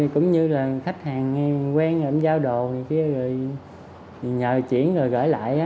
cũng như là khách hàng quen rồi em giao đồ rồi nhờ chuyển rồi gửi lại